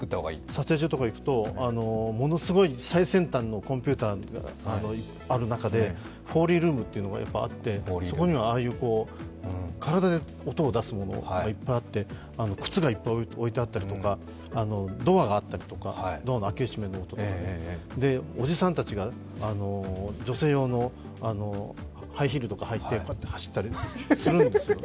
撮影所とか行くと、ものすごい最先端のコンピュータがある中でフォーリールームというのがあってそこには体で音を出すものがいっぱいあって、靴がいっぱい置いてあったり、ドアがあったりとか、ドアの開け閉めの音とか、おじさんたちが女性用のハイヒールとか履いてこうやって走ったりするんですよ。